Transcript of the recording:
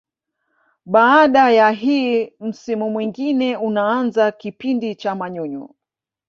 Baada ya hii msimu mwingine unaanza kipindi cha manyunyu